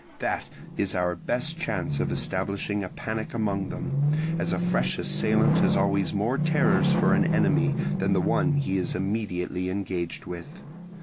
That is our best chance of establishing a panic among them, as a fresh assailant has always more terrors for an enemy than the one he is immediately engaged with.